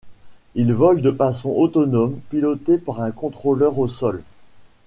Il vole de façon autonome piloté par un contrôleur au sol.